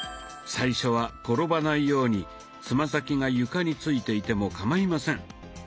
最初は転ばないようにつま先が床についていてもかまいません。